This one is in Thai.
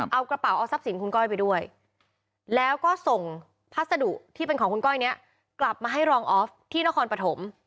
เอากระเป๋าเอาทรัพย์สินคุณก้อยไปด้วยแล้วก็ส่งพัสดุที่เป็นของคุณก้อยนี้กลับมาให้รองออฟที่นครปฐม